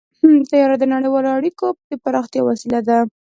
طیاره د نړیوالو اړیکو د پراختیا وسیله ده.